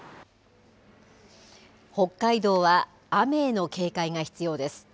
北海道は雨への警戒が必要です。